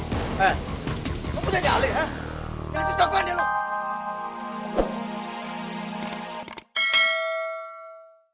ya asyik coklat deh lo